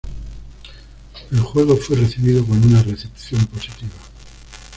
El juego fue recibido con una recepción positiva.